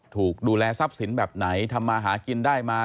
ถูกดูแลทรัพย์สินแบบไหนทำมาหากินได้มา